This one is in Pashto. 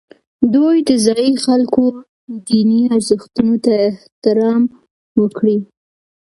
دوی د ځایي خلکو دیني ارزښتونو ته احترام وکړي.